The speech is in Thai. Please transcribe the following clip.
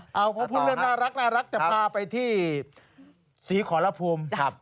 เพราะพูดเรื่องน่ารักจะพาไปที่ศรีขอรภูมิ